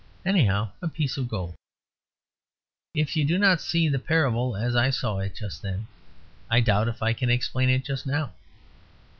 Anyhow, a piece of gold. If you do not see the parable as I saw it just then, I doubt if I can explain it just now.